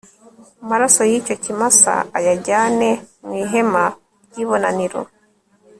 maraso y icyo kimasa ayajyane mu ihema ry ibonaniro